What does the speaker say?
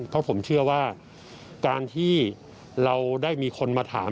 เพราะผมเชื่อว่าการที่เราได้มีคนมาถาม